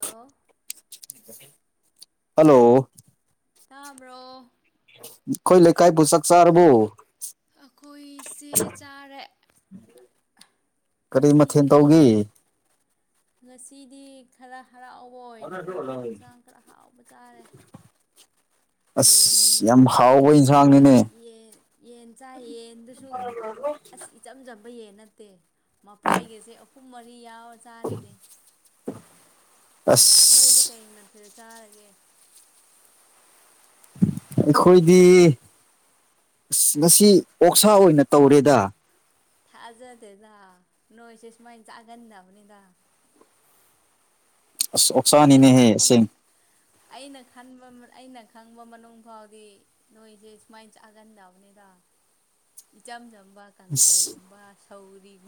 hello hello ꯇꯥꯕ꯭ꯔꯣ ꯀꯣꯏ ꯂꯩꯀꯥꯏ ꯄꯣꯁꯛ ꯁꯥꯔꯕꯨ ꯑꯩꯈꯣꯏꯁꯦ ꯆꯥꯔꯦ ꯀꯔꯤ ꯃꯊꯦꯜ ꯉꯁꯤꯒꯤꯗꯤ ꯇꯧꯈꯤ ꯉꯁꯤꯗꯤ ꯈꯔ ꯍꯔꯥꯎꯕ ꯑꯣꯏꯅꯀꯣ ꯌꯦꯟꯁꯥꯡ ꯈꯔ ꯍꯥꯎꯕ ꯆꯥꯔꯦ ꯌꯦꯟ ꯑꯁ ꯌꯥꯝ ꯍꯥꯎꯕ ꯐꯩꯒꯟ ꯏꯟꯁꯥꯡꯅꯤꯅꯦ ꯌꯦꯟ ꯆꯥ ꯌꯦꯟꯗꯨꯁꯨ ꯑꯁ ꯏꯆꯝ ꯆꯕꯌꯦꯦ ꯅꯠꯇꯦ ꯃꯐꯩꯒꯁꯦ ꯑꯍꯨꯝ ꯃꯔꯤ ꯌꯥꯎꯔ ꯆꯥꯔꯤꯅꯦ [unintelligible] ꯅꯣꯏꯣꯏꯗꯤ ꯀꯩ ꯃꯊ ꯆꯥꯔꯒꯦ ꯑꯩꯈꯣꯏꯗꯤ ꯑꯁ ꯉꯁꯤ ꯑꯣꯛꯁꯥ ꯑꯣꯏꯅ ꯇꯧꯔꯦꯗ ꯊꯥꯖꯗꯦꯗ ꯅꯣꯏꯁꯦ ꯁꯨꯃꯥꯏꯅ ꯆꯥꯒꯟꯅꯕꯅꯤꯗ ꯑꯩꯅ ꯈꯪꯕ ꯑꯣꯛꯁꯥꯅꯤꯅꯦꯍꯦꯁꯤꯡ ꯑꯩꯅ ꯈꯟꯕ ꯑꯩꯅ ꯈꯪꯕ ꯃꯅꯨꯡ ꯐꯥꯎꯗꯤ ꯅꯣꯏꯁꯦ ꯁꯨꯃꯥꯏꯅ ꯆꯥꯒꯟꯗꯕꯅꯤꯗ ꯏꯆꯝ ꯆꯝꯕ ꯑꯁ ꯀꯥꯡꯁꯣꯏꯒꯨꯝꯕ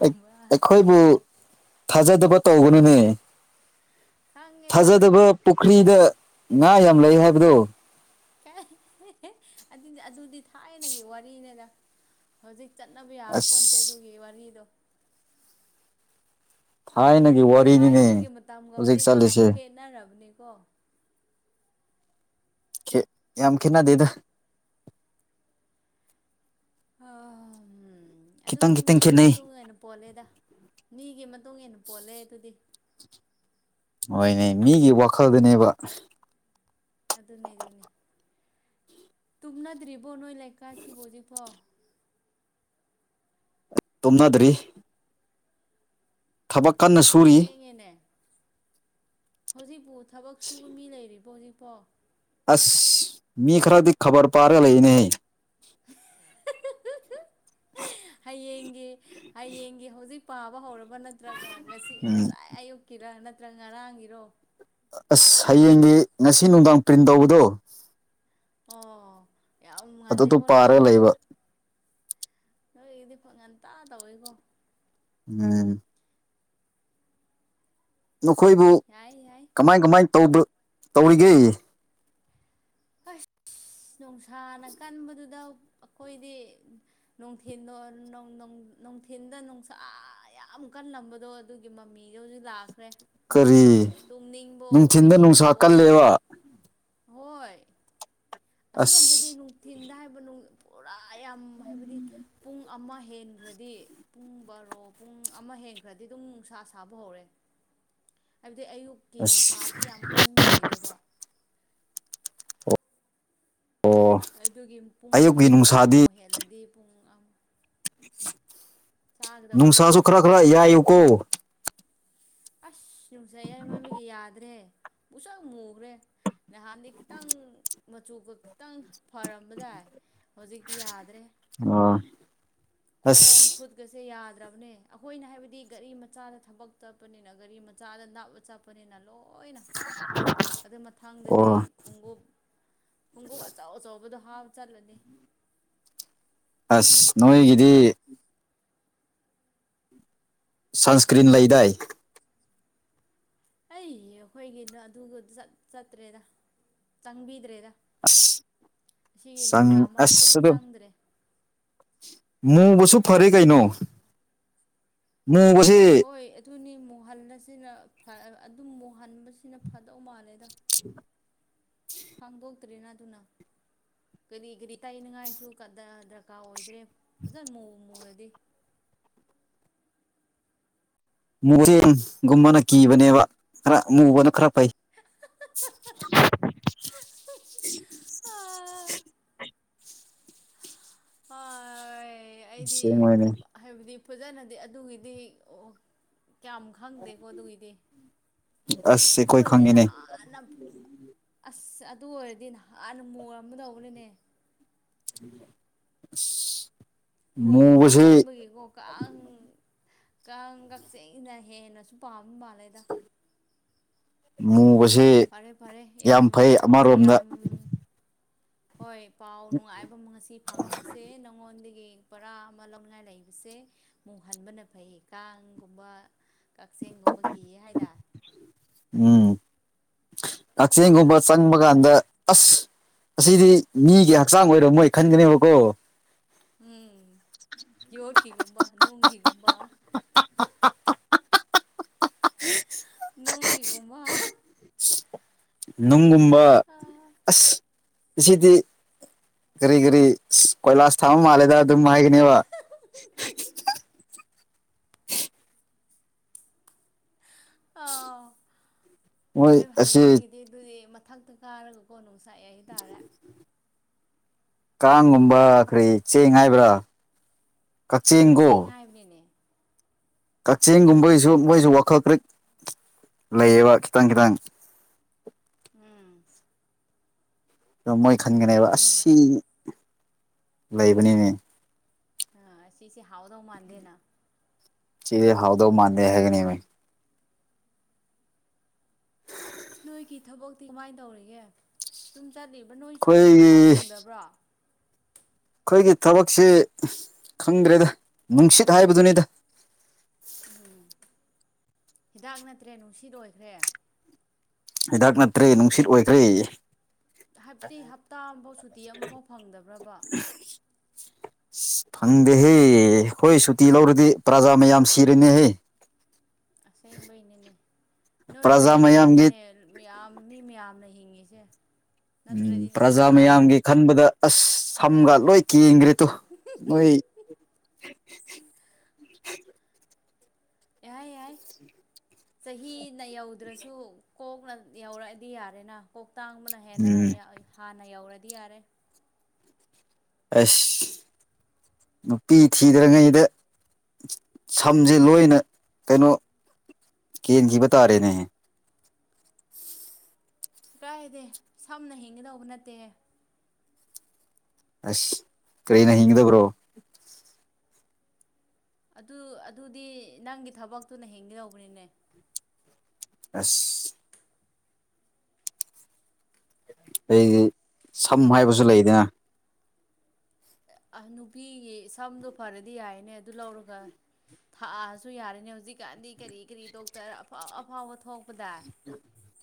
ꯑꯩ ꯇꯧꯕꯅꯤꯅꯦ ꯈꯪꯉꯦꯗ ꯊꯥꯖꯗꯕ ꯄꯨꯈ꯭ꯔꯤꯗ ꯉꯥ ꯌꯥꯝ ꯂꯩ ꯍꯥꯏꯕꯗꯣ ꯑꯗꯨꯗꯤ ꯑꯗꯨꯗꯤ ꯊꯥꯏꯅꯒꯤ ꯋꯥꯔꯤꯅꯦꯗ ꯍꯧꯖꯤꯛ ꯆꯠꯅꯕ ꯌꯥꯄꯣꯇꯦ ꯑꯁ ꯑꯗꯨꯒꯤ ꯋꯥꯔꯤꯗꯣ ꯊꯥꯏꯅꯒꯤ ꯋꯥꯔꯤꯅꯤꯅꯦ ꯊꯥꯏꯅꯒꯤ ꯃꯇꯝꯒ ꯍꯧꯖꯤꯛ ꯍꯧꯖꯤꯛꯒ ꯌꯥꯝ ꯆꯠꯂꯤꯁꯦ ꯈꯦꯅꯔꯕꯅꯤꯀꯣ ꯌꯥꯝꯈꯤꯦꯠꯅꯗꯦꯗ ꯑ ꯎꯝ ꯑꯗꯨꯗꯤ ꯈꯤꯇꯪ ꯃꯤꯒꯤ ꯈꯦꯠꯅꯩ ꯃꯇꯨꯡꯟꯅ ꯄꯣꯜꯂꯦꯗ ꯃꯤꯒꯤ ꯃꯇꯨꯡ ꯏꯟꯅ ꯄꯣꯜꯂꯦ ꯑꯗꯨꯗꯤ ꯍꯣꯏꯅꯦ ꯃꯤꯒꯤ ꯋꯥꯈꯜꯗꯨꯅꯦꯕ ꯑꯗꯨ ꯅ ꯑꯗꯨꯅꯤ ꯇꯨꯝꯅꯗ꯭ꯔꯤꯕꯣ ꯅꯣꯏ ꯂꯩꯀꯥꯏꯁꯤꯕꯨꯖꯤꯛꯐꯣ ꯇꯣꯝꯅꯗ꯭ꯔꯤ ꯊꯕꯛ ꯀꯟꯅ ꯁꯨꯔꯤ ꯊꯦꯡꯉꯦꯅꯦ ꯍꯧꯖꯤꯛꯄꯨ ꯊꯕꯛ ꯁꯨꯕ ꯃꯤ ꯂꯩꯔꯤꯕꯣ ꯍꯧꯖꯤꯛꯄꯣ ꯑꯁ ꯃꯤ ꯈꯔꯗꯤ ꯈꯕꯔ ꯄꯥꯔꯒ ꯂꯩꯅꯦꯍ ꯍꯌꯦꯡꯒꯤ ꯍꯌꯦꯡꯒꯤ ꯍꯧꯖꯤꯛ ꯄꯥꯕ ꯍꯧꯔꯕ ꯅꯠꯇ꯭ꯔꯒ ꯉꯁꯤ ꯎꯝ ꯉꯁꯥꯏ ꯑꯌꯨꯛꯀꯤꯔ ꯅꯠꯇ꯭ꯔꯒ ꯉꯔꯥꯡꯒꯤꯔꯣ ꯑꯁ ꯍꯌꯦꯡꯗꯤ ꯉꯁꯤ ꯅꯨꯡꯗꯥꯡ ꯄ꯭ꯔꯤꯟ ꯇꯧꯕꯗꯣ ꯑꯣ ꯌꯥꯝꯉꯜꯗꯦ ꯑꯗꯨꯗꯣ ꯀꯅ ꯑꯣꯏ ꯄꯥꯔꯒ ꯑꯗꯨꯗꯤ ꯂꯩꯕ ꯅꯣꯏꯒꯤꯗꯤ ꯐꯪ ꯉꯟꯇꯥ ꯇꯧꯋꯦꯀꯣ ꯎꯝ ꯅꯈꯣꯏꯕꯨ ꯌꯥꯏ ꯌꯥꯏ ꯀꯃꯥꯏ ꯀꯃꯥꯏ ꯇ ꯇꯧꯔꯤꯒꯦ [unintelligible] ꯑꯁ [inaudible] ꯅꯨꯡꯁꯥꯅ ꯀꯟꯕꯗꯨꯗ ꯑꯩꯈꯣꯏꯗꯤ ꯅꯨꯡꯊꯤꯟ ꯅꯨꯡꯊꯤꯟꯗ ꯅꯨꯡꯁꯥ ꯌꯥꯝ ꯀꯜꯂꯝꯕꯗꯣ ꯑꯗꯨꯒꯤ ꯃꯃꯤꯗꯣ ꯍꯧꯖꯤꯛ ꯂꯥꯛ ꯀꯔꯤ ꯑꯣ ꯅꯨꯡꯊꯤꯤꯟꯗ ꯑꯣꯏꯅꯤꯡꯕ ꯅꯨꯡꯁꯥ ꯑꯣ ꯀꯜꯂꯦꯕ ꯍꯣꯏ ꯑꯁꯔꯣꯝꯗꯗꯤ ꯑꯁ ꯅꯨꯡꯊꯤꯟꯗ ꯍꯥꯏꯕ ꯄꯨꯔꯥ ꯑꯌꯥꯝ ꯍꯥꯏꯕꯗꯤ ꯄꯨꯡ ꯑꯃ ꯍꯦꯟꯈ꯭ꯔꯗꯤ ꯄꯨꯡ ꯕꯥꯔꯣ ꯄꯨꯡ ꯑꯃ ꯍꯦꯟꯈ꯭ꯔꯗꯤ ꯑꯗꯨꯝ ꯅꯨꯡꯁꯥ ꯁꯥꯕ ꯍꯧꯔꯦ [unintelligible] [inaudible] ꯑꯗꯩ ꯑꯌꯨꯛꯀꯤ ꯑꯁ ꯅꯨꯡꯁꯥꯗꯤ ꯌꯥꯝ ꯀꯟꯕ ꯑꯣꯏꯗꯦꯕ ꯑꯣ ꯑꯗꯨꯒꯤ ꯄꯨꯡ ꯑꯌꯨꯛꯀꯤ ꯕꯥꯔꯣ ꯅꯨꯡꯁꯥꯗꯤ ꯍꯦꯜꯂꯗꯤ ꯄꯨꯡ ꯑꯃ ꯆꯥꯒꯗꯧꯕꯅꯤ ꯅꯨꯡꯁꯥꯁꯨ ꯈꯔ ꯈꯔ ꯌꯥꯏꯨꯀꯣ ꯑꯁ ꯅꯨꯡꯁꯥꯏ ꯌꯥꯃꯣꯟꯕꯒꯤ ꯌꯥꯗ꯭ꯔꯦ ꯃꯁꯛ ꯃꯨꯈ꯭ꯔꯦ ꯅꯍꯥꯟꯗꯤ ꯈꯤꯇꯪ ꯃꯆꯨꯒ ꯈꯤꯇꯪ ꯐꯔꯝꯕꯗꯥꯏ ꯍꯧꯖꯤꯛꯇꯤ ꯌꯥꯗ꯭ꯔꯦ ꯑꯣ ꯑꯁ ꯈꯣꯡꯣꯡ ꯈꯨꯣꯠꯒꯁꯤ ꯌꯥꯗ ꯕ ꯑꯩꯈꯣꯏꯅ ꯍꯥꯏꯕꯗꯤ ꯒꯥꯔꯤ ꯃꯆꯥꯗ ꯊꯕꯛ ꯆꯠꯄꯅꯤꯅ ꯒꯥꯔꯤ ꯃꯆꯥꯗ ꯅꯥꯞꯄ ꯆꯠꯄꯅꯤꯅ ꯂꯣꯏ ꯂꯣꯏꯅ ꯑꯗꯨ ꯃꯊꯥꯡꯗꯗꯤ ꯑꯣ ꯈꯣꯡꯎꯞ ꯈꯣꯡꯎꯞ ꯑꯆꯥꯎ ꯑꯆꯕꯗꯣ ꯍꯥꯎ ꯆꯂꯅꯤ ꯑꯁ ꯅꯣꯏꯒꯤꯗꯤ ꯁꯟꯁꯀ꯭ꯔꯤꯟ ꯂꯩꯗꯥꯏ ꯑꯩ ꯑꯩꯈꯣꯏꯒꯤꯅ ꯑꯗꯨꯒ ꯆꯠꯇ꯭ꯔꯦꯗ ꯆꯪꯕꯤꯗ꯭ꯔꯦꯗ ꯑꯁ ꯁꯤꯒꯤ ꯆꯪ ꯅꯨꯡꯁꯥ ꯃꯔꯛꯇꯗ ꯑꯁ ꯑꯗꯣ ꯆꯪꯗ꯭ꯔꯦ ꯃꯨꯕꯁꯨ ꯐꯔꯦ ꯀꯩꯅꯣ ꯃꯨꯕꯁꯤ ꯍꯣꯏ ꯑꯗꯨꯅꯤ ꯃꯨꯍꯟꯕꯁꯤꯅ ꯑꯗꯨꯝ ꯃꯨꯍꯟꯕꯁꯤꯅ ꯊꯥꯗꯧ ꯃꯥꯜꯂꯦꯗ ꯈꯥꯡꯗꯣꯛꯇꯔꯤꯅ ꯑꯗꯨꯅ ꯀꯔꯤ ꯀꯔꯤ ꯇꯩꯅꯤꯉꯥꯏꯁꯨ ꯗꯔꯀꯥꯔ ꯑꯣꯏꯗ꯭ꯔꯦ ꯐꯖꯅ ꯃꯨꯔꯗꯤ [unintelligible] [inaudible] ꯃ ꯆꯦꯡꯒꯨꯝꯕꯅ ꯀꯤꯕꯅꯦꯕ ꯈꯔ ꯃꯨꯕꯅ ꯈꯔ ꯐꯩ [unintelligible] [inaudible] ꯍꯣꯏ ꯑꯩꯗꯤ ꯁꯦꯡꯕꯅꯦ ꯍꯥꯏꯕꯗꯤ ꯐꯖꯅꯗꯤ ꯑꯗꯨꯒꯤꯗꯤ ꯑꯣ ꯀꯌꯥꯝ ꯈꯪꯗꯦꯀꯣ ꯑꯗꯨꯒꯤꯗꯤ ꯑꯁ ꯑꯗꯨ ꯑꯩꯈꯣꯏ ꯑꯣꯏꯔꯗꯤ ꯈꯪꯉꯤꯅꯦ ꯅꯍꯥꯟꯅ ꯑꯁ ꯑꯗꯨ ꯑꯣꯏꯔꯗꯤ ꯅꯍꯥꯟꯅ ꯃꯣꯣꯔꯝꯒ ꯇꯧꯕꯅꯤꯅꯦ ꯑ [unintelligible] [inaudible] ꯑꯩꯈꯣꯏꯗꯤ ꯉꯥꯎꯃꯟꯕꯒꯤꯀꯣ ꯀꯥꯡ ꯀꯥꯡ ꯀꯛꯆꯦꯡꯁꯤꯅ ꯍꯦꯟꯅꯁꯨ ꯄꯥꯝꯕ ꯃꯥꯜꯂꯦꯗ ꯃ [unintelligible] [inaudible] ꯐꯔꯦ ꯐꯔꯦ ꯌꯥꯝ ꯑꯃꯔꯣꯝꯗ ꯌꯥꯝ ꯍꯣꯏ ꯄꯥꯎ ꯅꯨꯡꯉꯥꯏꯕ ꯉꯁꯤ ꯐꯪꯕꯁꯦ ꯅꯪꯉꯣꯟꯗꯒꯤ ꯄꯔꯥ ꯑꯃ ꯂꯧꯅꯤꯡꯉꯥꯏ ꯂꯩꯕꯁꯦ ꯃꯨꯛ ꯍꯟꯕꯅ ꯐꯩꯌꯦ ꯀꯥꯡꯒꯨꯝꯕ ꯀꯛꯆꯤꯡꯒꯨꯝꯕ ꯤꯌꯦ ꯍꯥꯏꯗꯔꯦ ꯀꯛꯆꯤꯡꯒꯨꯝꯕ ꯆꯪꯕ ꯐꯔꯦ ꯀꯥꯟꯗ ꯑꯁ ꯑꯁꯤꯗꯤ ꯃꯤꯒꯤ ꯍꯛꯆꯥꯡ ꯑꯣꯏꯔꯕꯣ ꯃꯣꯏ ꯈꯟꯒꯅꯦꯕꯀꯣ ꯎꯝ ꯌꯣꯀꯤꯒꯨꯝꯕ ꯅꯨꯡꯒꯤꯤꯒꯨꯝꯕ ꯅꯣꯡꯉꯤꯒꯨꯝꯕ ꯅꯨꯡꯒꯨꯝꯕ ꯑꯥ ꯑꯁ ꯑꯁꯤꯗꯤ ꯀꯔꯤ ꯀꯔꯤ ꯀꯣꯏꯂꯥꯁ ꯊꯥꯕ ꯃꯥꯜꯂꯦꯗ ꯑꯗꯨꯝ ꯍꯥꯏꯒꯅꯦꯕ [inaudible] ꯑ ꯃꯣꯏ ꯐꯣꯔꯦꯟ ꯑꯁꯤ ꯍꯌꯦꯡꯗꯒꯤꯗꯤ ꯑꯗꯨꯗꯤ ꯃꯊꯛꯇ ꯀꯥꯔꯒꯀꯣ ꯁꯥꯏ ꯇꯥꯔꯦ ꯀꯥꯡꯒꯨꯝꯕ ꯀꯔꯤ ꯆꯦꯡ ꯍꯥꯏꯥꯏꯕ꯭ꯔꯥ ꯀꯛꯆꯦꯡ ꯍꯥꯏꯕꯅꯤꯅꯦ ꯀꯛꯆꯤꯡꯒꯨꯝꯕꯒꯤꯁꯨ ꯃꯣꯏꯁꯨ ꯋꯥꯈꯜ ꯀꯔꯤ ꯂꯩꯌꯦꯕ ꯀꯈꯤꯇꯪ ꯀꯈꯤꯇꯪ ꯎꯝ ꯑꯣ ꯃꯣꯏ ꯈꯟꯒꯅꯤ ꯍꯥꯏꯕ ꯂꯩꯕꯅꯤꯅꯦ ꯑꯁꯤ ꯂꯩꯕꯅꯤꯅꯦ ꯑ ꯑꯁꯤꯁꯤꯁꯤ ꯍꯥꯎꯥꯎꯗ ꯃꯥꯥꯟꯗꯅ ꯆ ꯍꯥꯎꯗꯧ ꯃꯥꯥꯟꯗ ꯍꯥꯏꯒꯅꯦ ꯅꯣꯏꯒꯤ ꯊꯕꯛꯇꯤ ꯀꯃꯥꯏꯅ ꯇꯧꯔꯤꯒꯦ ꯆꯠꯂꯤꯕ꯭ꯔꯥ ꯅꯣꯏ ꯁꯨꯇꯤ ꯑꯩꯈꯣꯏꯒꯤ ꯑꯃꯝꯐꯥꯎ ꯐꯪꯗꯕ꯭ꯔꯥ ꯑꯩꯈꯣꯏꯒꯤ ꯊꯕꯛꯁꯤ ꯈꯪꯗ꯭ꯔꯦꯗ ꯅꯨꯡꯁꯤꯠ ꯍꯥꯏꯕꯗꯨꯅꯤꯗ ꯎꯝ ꯍꯤꯗꯥꯛ ꯅꯠꯇ꯭ꯔꯦ ꯅꯨꯡꯁꯤꯠ ꯑꯣꯏꯈ꯭ꯔꯦ ꯍꯤꯗꯥꯛ ꯅꯠꯇ꯭ꯔꯦ ꯅꯨꯡꯁꯤꯠ ꯑꯣꯏꯈ꯭ꯔꯦ ꯍꯥꯏꯕꯗꯤꯤ ꯍꯞꯇꯥ ꯑꯃꯐꯥꯎ ꯁꯨꯇꯤ ꯑꯃꯐꯥꯎ ꯐꯪꯗꯕ꯭ꯔꯕ [inaudible] ꯐꯪꯗꯦꯍꯦ ꯑꯩꯈꯣꯏ ꯁꯨꯇꯤ ꯂꯧꯔꯗꯤ ꯄ꯭ꯔꯖꯥ ꯃꯌꯥꯝ ꯁꯤꯔꯅꯦꯍꯦ ꯑꯁꯦꯡꯕꯒꯤꯅꯤꯅꯦ ꯅꯣꯏꯅ ꯄ꯭ꯔꯖꯥ ꯃꯌꯥꯝꯒꯤ ꯂꯩꯕꯒꯤꯅꯤꯅꯦ ꯃꯌꯥꯝ ꯃꯤ ꯃꯌꯥꯝꯅ ꯍꯤꯡꯉꯤꯁꯦ ꯎꯝ ꯅꯠꯇ꯭ꯔꯗꯤ ꯄ꯭ꯔꯖꯥ ꯅꯍꯥꯟꯅ ꯃꯌꯥꯝꯒꯤ ꯈꯟꯕꯗ ꯑꯁ ꯁꯝꯒ ꯂꯣꯏ ꯀꯦꯟꯈ꯭ꯔꯦ ꯑꯣꯏꯣꯏ ꯌꯥꯏ ꯌꯥꯏ ꯆꯍꯤꯅ ꯌꯧꯗ꯭ꯔꯁꯨ ꯀꯣꯛꯅ ꯌꯧꯔꯛꯑꯗꯤ ꯌꯥꯔꯦꯅ ꯀꯣꯛ ꯇꯥꯡꯕꯅ ꯍꯦꯟꯅ ꯎꯝ ꯍꯥꯟꯅ ꯌꯧꯔꯗꯤ ꯌꯥꯔꯦ ꯑꯁ ꯅꯨꯄꯤ ꯊꯤꯗꯔꯤꯉꯩꯗ ꯁꯝꯁꯦ ꯂꯣꯏꯅ ꯀꯩꯅꯣ ꯀꯦꯟꯈꯤꯕ ꯇꯥꯔꯦꯅꯦ ꯀꯥꯏꯗꯦ ꯁꯝꯅ ꯍꯤꯡꯒꯗꯧꯕ ꯅꯠꯇꯦ ꯑꯁ ꯀꯔꯤꯅ ꯍꯤꯡꯒꯗꯕ꯭ꯔꯣ ꯑꯗꯨ ꯑꯗꯨꯗꯤ ꯅꯪꯒꯤ ꯊꯕꯛꯇꯨꯅ ꯍꯦꯡꯒꯦꯗꯧꯕꯅꯤꯅꯦ ꯑꯁ ꯑꯩꯗꯤ ꯁꯝ ꯍꯥꯏꯕꯁꯨ ꯂꯩꯗꯅ ꯑ ꯅꯨꯄꯤꯒꯤ ꯁꯝꯗꯣ ꯐꯔꯗꯤ ꯌꯥꯏꯅꯦ ꯑꯗꯨ ꯂꯧꯔꯒ ꯊꯥꯛꯑꯁꯨ ꯌꯥꯔꯅꯤ ꯍꯧꯖꯤꯛꯀꯥꯟꯗꯤ ꯀꯔꯤ ꯀꯔꯤ ꯗꯣꯛꯇꯔ ꯑꯐꯥꯎ ꯑꯐꯥꯎꯕ ꯊꯣꯛꯄꯗ ꯑ [inaudible]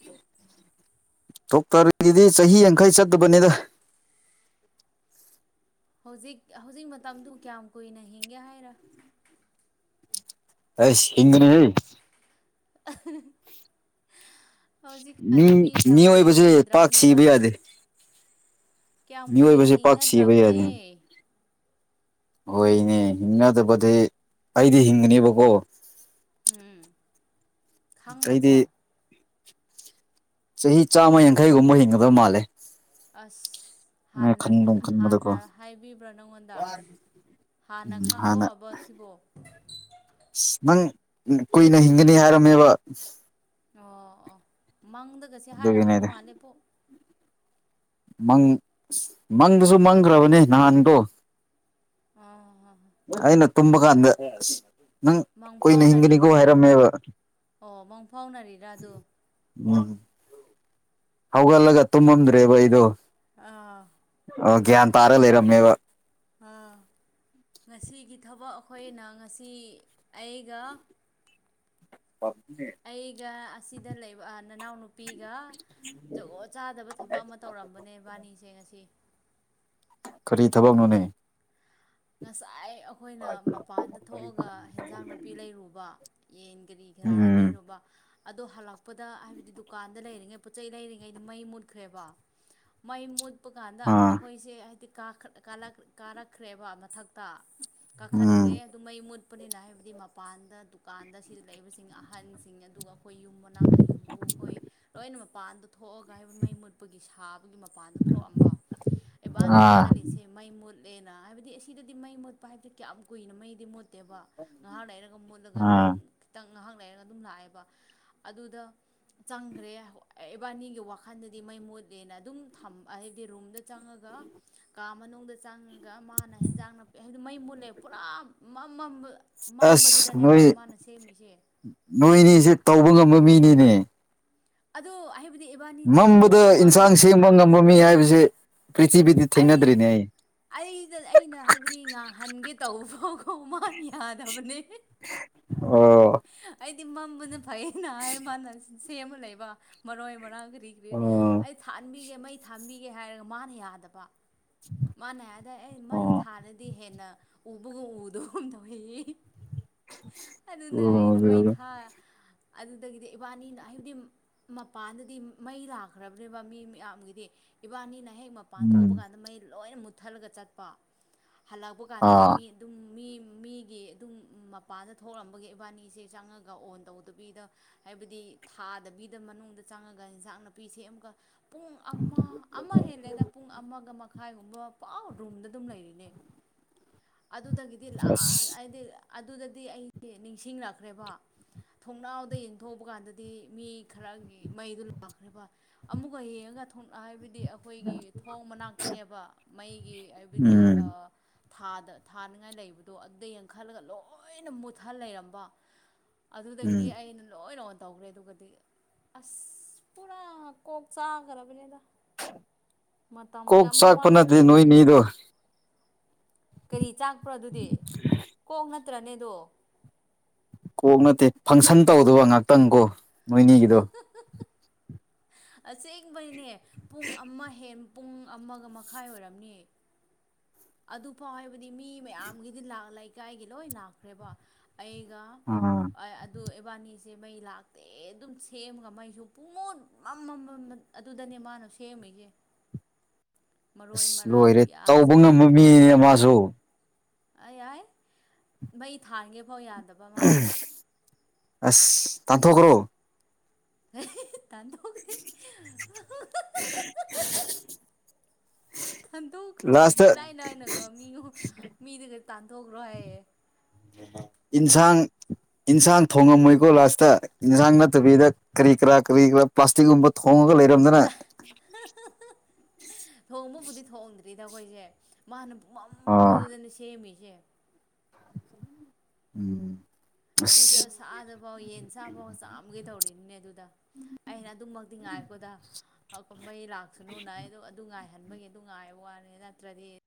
ꯗꯣꯛꯇꯔꯒꯤꯗꯤ ꯆꯍꯤ ꯌꯥꯡꯈꯩ ꯆꯠꯇꯕꯅꯤꯗ ꯍꯧꯖꯤꯛ ꯍꯧꯖꯤꯛ ꯃꯇꯝꯗꯨ ꯀꯌꯥꯝ ꯀꯨꯏꯅ ꯍꯤꯡꯒꯦ ꯍꯥꯏꯔ ꯑꯁ ꯍꯤꯪꯒꯅꯤꯍꯦ ꯑ [unintelligible] ꯃꯤ ꯀꯌꯥꯝ ꯀꯨꯏꯅ ꯃꯤꯏꯕꯁꯦ ꯄꯥꯛ ꯁꯤꯕ ꯌꯥꯗꯦ ꯌꯥꯝ ꯀꯨꯏꯅ ꯃꯤꯑꯣꯏꯕꯁꯦ ꯄꯥꯛ ꯁꯤꯕ ꯍꯤꯡꯅꯗ꯭ꯔꯕꯅꯦ ꯌꯥꯗꯦ ꯍꯣꯏꯅꯦ ꯍꯤꯡꯅꯗꯕꯗꯤ ꯑꯩꯗꯤ ꯍꯤꯡꯒꯅꯦꯕꯀꯣ ꯎꯝ ꯑꯩꯗꯤ ꯈꯪꯉꯕꯣ ꯆꯍꯤ ꯆꯥꯝꯃ ꯌꯥꯡꯈꯩꯒꯨꯝꯕ ꯍꯤꯡꯒꯗꯕꯧ ꯃꯥꯜꯂꯦ ꯑꯁꯅ ꯈꯟꯗꯨꯝ ꯍꯥꯟꯅ ꯈꯟꯕꯗꯀꯣ ꯍꯥꯏꯕꯤꯕ꯭ꯔꯣ ꯅꯪꯉꯣꯟꯗ ꯍꯥꯟꯅ ꯎꯝ ꯈꯪꯗꯣꯛꯑꯕ ꯁꯤꯕꯣ ꯑ ꯅꯪ ꯀꯨꯏꯅ ꯍꯤꯡꯒꯅꯤ ꯍꯥꯏꯔꯝꯃꯦꯕ ꯑꯣ ꯑꯣ ꯃꯪꯗꯒꯁꯦ ꯍꯥꯏꯔꯑꯝꯗꯧ ꯑꯗꯨꯒꯤꯅꯦꯗ ꯃꯥꯜꯂꯦ ꯪ ꯃꯪꯗꯨꯁꯨ ꯃꯪꯈ꯭ꯔꯕꯅꯦ ꯅꯍꯥꯟꯗꯣ ꯑ ꯑꯩꯅ ꯇꯨꯝꯃ ꯀꯥꯟꯗ ꯅꯪ ꯃꯪ ꯀꯨꯏꯅ ꯍꯤꯡꯒꯅꯤꯀꯣ ꯐꯥꯎꯅꯔꯤꯔ ꯑꯗꯣ ꯍꯥꯏꯔꯝꯃꯦꯕ ꯑꯣ ꯃꯪ ꯐꯥꯎꯅꯔꯤꯔꯥ ꯑꯗ ꯎꯝ ꯍꯧꯒꯂꯒ ꯇꯨꯃꯃꯗꯔ꯭ꯦꯕꯥ ꯑꯩꯗꯣ ꯑꯥ ꯑꯣ ꯒ꯭ꯌꯥꯟ ꯇꯥꯔ ꯂꯩꯔꯝꯃꯦꯕ ꯑꯥ ꯉꯁꯤꯒꯤ ꯊꯕꯛ ꯑꯩꯈꯣꯏꯅ ꯉꯁꯤ ꯑꯩꯒ ꯑꯩꯒ ꯑꯁꯤꯗ ꯂꯩꯕ ꯅꯅꯥꯎꯅꯨꯄꯤꯒ ꯖꯒꯣ ꯆꯥꯗꯕ ꯊꯕꯛ ꯑꯃ ꯇꯧꯔꯝꯕꯅꯦ ꯏꯕꯥꯅꯤꯁꯦ ꯉꯁꯤ ꯀꯔꯤ ꯊꯕꯛꯅꯣꯅꯦ ꯉꯁꯥꯏ ꯑꯩꯈꯣꯏꯅ ꯃꯄꯥꯟꯗ ꯊꯣꯛꯑꯒ ꯍꯟꯖꯥꯡ ꯅꯥꯄꯤ ꯂꯩꯔꯨꯕ ꯌꯦꯟ ꯀꯔꯤ ꯈꯔ ꯎꯝ ꯂꯩꯔꯨꯕ ꯑꯗꯣ ꯍꯜꯂꯛꯄꯗ ꯍꯥꯏꯕꯗꯤ ꯗꯨꯀꯥꯟꯗ ꯂꯩꯔꯤꯉꯩ ꯄꯣꯠ ꯆꯩ ꯂꯩꯔꯤꯉꯩꯗ ꯃꯩ ꯃꯨꯠꯈ꯭ꯔꯦꯕ ꯃꯌꯃꯨꯠ ꯀꯞꯄ ꯀꯥꯟꯗ ꯑꯥ ꯑꯩꯈꯣꯏꯁꯦ ꯍꯥꯏꯗꯤ ꯀꯥꯔꯛꯈ꯭ꯔꯦꯕ ꯃꯊꯛꯇ ꯎꯝ ꯀꯥꯈꯠꯈ꯭ꯔꯦ ꯑꯗꯨ ꯃꯩ ꯃꯨꯠ ꯑꯄꯅꯤꯅ ꯍꯥꯏꯕꯗꯤ ꯃꯄꯥꯟꯗ ꯗꯨꯀꯥꯟꯗ ꯁꯤꯗ ꯂꯩꯕꯁꯤꯡ ꯑꯍꯟꯁꯤꯡ ꯑꯗꯨꯒ ꯑꯩꯈꯣꯏ ꯌꯨꯝ ꯃꯅꯥꯛꯇ ꯌꯨꯝꯕꯨ ꯑꯩꯈꯣꯏ ꯂꯣꯏꯅ ꯃꯄꯥꯟꯗ ꯊꯣꯛꯑꯒ ꯍꯥꯏꯕ ꯃꯩ ꯃꯨꯠꯄꯒꯤ ꯁꯥꯕꯒꯤ ꯃꯄꯥꯟꯗ ꯊꯣꯛꯑꯝꯕ ꯏꯕꯥꯅꯤꯅ ꯑꯥ ꯈꯜꯂꯤꯁꯦ ꯃꯩ ꯃꯨꯠꯂꯦꯅ ꯍꯥꯏꯕꯗꯤ ꯁꯤꯤꯗꯗꯤ ꯃꯩ ꯃꯣꯠꯄ ꯍꯥꯏꯕꯕꯁꯤꯦ ꯀꯌꯥꯝ ꯀꯨꯏꯅ ꯃꯩꯗꯤ ꯃꯣꯠꯇꯦꯕ ꯉꯥꯏꯍꯥ ꯂꯩꯔꯒ ꯃꯣꯠꯂꯒ ꯑꯗꯨꯝ ꯑꯥ ꯈꯤꯇꯪ ꯉꯥꯏꯍꯥꯛ ꯂꯩꯔꯒ ꯑꯗꯨꯝ ꯂꯥꯛꯑꯦꯕ ꯑꯗꯨꯗ ꯆꯪꯈ꯭ꯔꯦ ꯏꯕꯥꯅꯤꯒꯤ ꯋꯥꯈꯜꯗꯗꯤ ꯃꯩ ꯃꯣꯠꯂꯦꯅ ꯑꯗꯨꯝ ꯍꯥꯏꯕꯗꯤ ꯔꯨꯝꯗ ꯆꯪꯉꯒ ꯀꯥ ꯃꯅꯨꯡꯗ ꯆꯪꯉꯒ ꯃꯥꯅ ꯆꯟꯖꯥꯡ ꯅꯥꯄꯤ ꯍꯥꯏ ꯃꯩ ꯃꯨꯜꯂꯦ ꯄꯨꯔꯥ ꯃꯝꯃꯝꯕ ꯑꯁ ꯅꯣꯏ ꯅꯣꯏꯅꯤꯁꯦ ꯇꯧꯕ ꯉꯝꯃ ꯃꯤꯅꯤꯅꯦ ꯑꯗꯨ ꯃꯝꯕꯗ ꯏꯟꯁꯥꯡ ꯁꯦꯝꯕ ꯉꯝꯕ ꯃꯤ ꯍꯥꯏꯕꯁꯦ ꯄ꯭ꯔꯤꯊꯤꯕꯤꯗꯤ ꯊꯦꯡꯅꯗ꯭ꯔꯤꯅꯦ ꯑꯩ ꯑꯩꯗ ꯑꯩꯅ ꯍꯥꯏꯕꯗꯤ ꯉꯥꯡꯍꯟꯒꯦ ꯇꯧꯕ ꯍꯧ ꯍ ꯃꯥꯅ ꯌꯥꯗꯕꯅꯦ ꯑꯣ ꯍꯥꯏꯗꯤ ꯃꯝꯕꯅ ꯐꯩꯅ ꯍꯥꯏꯔ ꯃꯥꯅ ꯁꯦꯝꯃ ꯂꯩꯕ ꯃꯔꯣꯏ ꯃꯔꯥꯡ ꯀꯔꯤ ꯀꯔꯤ ꯑꯣ ꯑꯩ ꯊꯥꯟꯕꯤꯒꯦ ꯃꯩ ꯊꯥꯟꯕꯤꯒꯦ ꯍꯥꯏꯔꯒ ꯃꯥꯅ ꯌꯥꯗꯕ ꯃꯥꯅꯦ ꯑꯗ ꯑꯦ ꯃꯩ ꯑꯣ ꯊꯥꯔꯗꯤ ꯍꯦꯟꯅ ꯎꯕ ꯎꯗꯗ ꯍ ꯑꯗꯨꯅ ꯑꯩꯅ ꯃꯩ ꯊꯥ ꯑꯗꯨꯗꯒꯤꯗꯤ ꯏꯕꯥꯅꯤꯅ ꯍꯥꯏꯕꯗꯤ ꯃꯄꯥꯟꯗꯗꯤ ꯃꯩ ꯂꯥꯛꯈ꯭ꯔꯕꯅꯦꯕ ꯃꯤ ꯃꯌꯥꯝꯒꯤꯗꯤ ꯏꯕꯥꯅꯤ ꯅꯍꯦ ꯃꯄꯥꯟ ꯎꯝ ꯊꯣꯛꯄ ꯀꯥꯟꯗ ꯃꯩ ꯂꯣꯏꯅ ꯃꯨꯠꯊꯠꯂꯒ ꯆꯠꯄ ꯍꯜꯂꯛꯄ ꯀꯥꯟꯗꯗꯤ ꯑꯥ ꯃꯤ ꯑꯗꯨꯝ ꯃꯤ ꯃꯤꯒꯤ ꯑꯗꯨꯝ ꯃꯄꯥꯟꯗ ꯊꯣꯛꯂꯝꯝꯕꯒꯤ ꯏꯕꯥꯅꯤꯁꯦ ꯆꯪꯉꯒ ꯑꯣꯟ ꯇꯧꯗꯕꯤꯗ ꯍꯥꯏꯕꯗꯤ ꯊꯥꯗꯕꯤꯗ ꯃꯅꯨꯡꯗ ꯆꯪꯉꯒ ꯏꯟꯖꯥꯡ ꯅꯥꯄꯤꯁꯦ ꯑꯃꯨꯛꯀ ꯄꯨꯡ ꯑꯥ ꯑꯝꯃꯥ ꯍꯦꯂꯦꯗ ꯑꯃꯒ ꯃꯈꯥꯏꯒꯨꯝꯕ ꯄꯥꯎ ꯔꯨꯝꯗ ꯑꯗꯨꯝ ꯂꯩꯔꯤꯅꯦ ꯑꯗꯨꯗꯒꯤꯗꯤ ꯑꯁ ꯂꯥꯁ ꯍꯥꯏꯗꯤ ꯑꯗꯨꯗꯗꯤ ꯑꯩ ꯅꯤꯡꯁꯤꯡꯅꯛꯈ꯭ꯔꯦꯕ ꯊꯣꯡꯅꯥꯎꯗ ꯌꯦꯡꯊꯣꯛꯕ ꯀꯥꯟꯗꯗꯤ ꯃꯤ ꯈꯔ ꯃꯩꯗꯨꯣ ꯂꯥꯛꯈ꯭ꯔꯦꯕ ꯑꯃꯨꯛꯀ ꯌꯦꯡꯉꯒ ꯍꯥꯏꯕꯗꯤ ꯑꯩꯈꯣꯏꯒꯤ ꯊꯣꯡ ꯃꯅꯥꯛꯇꯅꯦꯕ ꯃꯩꯒꯤ ꯍꯥꯏꯕꯗꯤ ꯎꯝ ꯊꯥꯗ ꯊꯥꯅꯤꯡꯉꯥꯏ ꯂꯩꯕꯗꯣ ꯑꯗꯨꯗ ꯌꯦꯡꯈꯠꯂꯒ ꯂꯣꯏꯅ ꯃꯨꯠꯊꯟ ꯂꯩꯔꯝꯕ ꯎꯝ ꯑꯗꯨꯗꯒꯤꯗꯤ ꯑꯩꯅ ꯂꯣꯏ ꯇꯧꯈꯔꯦ ꯑꯗꯨꯒꯗꯤ ꯑꯁ ꯄꯨꯔꯥ ꯀꯣꯛ ꯆꯥꯈ꯭ꯔꯕꯅꯤꯗ ꯃꯇꯝ ꯀꯣꯛ ꯀꯌꯥꯃꯨꯛ ꯆꯥꯛꯄ ꯅ ꯃꯥꯡꯍꯜꯂꯦ ꯅꯣꯏ ꯅꯅꯤꯗꯣ ꯀꯔꯤ ꯆꯥꯛꯄ꯭ꯔꯣ ꯑꯗꯨꯗꯤ ꯀꯣꯛ ꯅꯠꯇ꯭ꯔꯅꯦꯗꯣ ꯀꯣꯛ ꯅꯠꯇꯦ ꯐꯪꯁꯟ ꯇꯧꯗꯕ ꯉꯥꯛꯇꯪ ꯀꯣ ꯅꯣꯏꯅꯤꯒꯤꯗꯣ ꯑꯁꯦꯡꯕꯅꯦ ꯄꯨꯡ ꯑꯃ ꯍ ꯄꯨꯡ ꯑꯃꯒ ꯃꯈꯥꯏ ꯑꯣꯏꯔꯝꯅꯤꯌꯦ ꯑꯗꯨꯐꯥꯎ ꯍꯥꯏꯕꯗꯤ ꯃꯤ ꯃꯌꯥꯝꯒꯤꯗꯤ ꯂ ꯂꯩꯀꯥꯏꯒꯤ ꯂꯣꯏ ꯂꯥꯛꯈ꯭ꯔꯦꯕ ꯑꯩꯒ ꯑꯥ ꯑꯗꯨ ꯑꯦꯕꯥꯅꯤꯁ ꯁꯦ ꯃꯩ ꯂꯥꯛꯇꯦ ꯑꯗꯨꯝ ꯁꯦꯝꯃꯒ ꯃꯩꯁꯨ ꯄꯨꯡꯃꯣꯠ ꯑꯃꯝꯃꯝ ꯑꯗꯨꯗꯅꯦ ꯃꯥꯅ ꯁꯦꯝꯃꯦ ꯂꯩꯌꯦ [unintelligible] ꯑꯁ ꯂꯣꯏꯔꯦ ꯄꯤꯌꯥꯁ ꯇꯧꯕ ꯉꯝꯕ ꯃꯤꯅꯦ ꯃꯥꯁꯨ ꯑ ꯌꯥꯏ ꯃꯩ ꯊꯥꯟꯒꯦꯐꯧ ꯌꯥꯗꯕ ꯃꯥꯅ ꯑꯁ ꯇꯥꯟꯊꯣꯛꯈ꯭ꯔꯣ ꯑ ꯇ [unintelligible] ꯈꯟꯗꯣꯛꯈ꯭ꯔꯣ ꯂꯥꯁꯇ ꯏ ꯂꯥꯏ ꯂꯥꯏꯅꯒ ꯃꯤꯉ ꯃꯤꯗꯨꯒ ꯇꯥꯟꯗꯣꯛꯈ꯭ꯔꯦ ꯏꯟꯁꯥꯡ ꯏꯟꯁꯥꯡ ꯊꯣꯡꯉꯝꯃꯣꯏꯀꯣ ꯂꯥꯁꯇ ꯌꯦꯟꯁꯥꯡ ꯅꯠꯇꯕꯤꯗ ꯀꯔꯤ ꯀꯔꯥ ꯀꯔꯤ ꯀꯔꯥ ꯄ꯭ꯂꯥꯁꯇꯤꯛꯀꯨꯝꯕ ꯊꯣꯡꯉꯒ ꯂꯩ ꯗꯅ ꯊꯣꯡꯕꯕꯨꯗꯤ ꯊꯣꯡꯗ꯭ꯔꯤꯗ ꯑꯩꯈꯣꯏꯁꯦ ꯃꯥꯅ ꯄꯃꯝ ꯑꯥ ꯃꯝꯕꯗꯨꯗꯅꯦ ꯁꯦꯝꯃꯤꯁꯦ ꯎꯝ ꯑꯗꯨꯁꯨ ꯑꯁ ꯁꯥꯗꯐꯥꯎ ꯌꯦꯟ ꯁꯥꯐꯥꯎ ꯆꯥꯝꯒꯦ ꯇꯧꯔꯤꯅꯤꯅꯦ ꯑꯗꯨꯗ ꯑꯩꯅ ꯑꯗꯨꯃꯛꯇꯤ ꯉꯥꯏꯀꯣꯗ ꯃꯩ ꯂꯥꯛꯁꯅꯨꯅ ꯑꯩꯗꯣ ꯑꯗꯨ ꯉꯥꯏ ꯍꯟꯕꯒꯤ ꯅꯨꯡ ꯉꯥꯏꯕ ꯋꯥꯅꯤ ꯅꯠꯇ꯭ꯔꯗꯤ